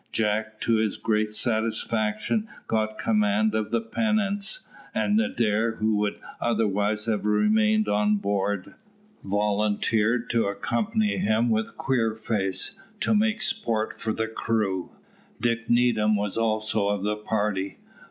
Jack, to his great satisfaction, got command of the pinnace, and Adair, who would otherwise have remained on board, volunteered to accompany him with Queerface, to make sport for the crew. Dick Needham was also of the party.